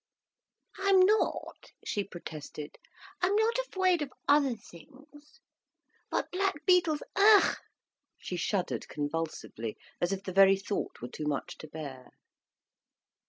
"I'm not," she protested. "I'm not afraid of other things. But black beetles—ugh!" she shuddered convulsively, as if the very thought were too much to bear.